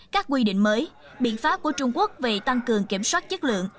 các quy định mới biện pháp của trung quốc về tăng cường kiểm soát chất lượng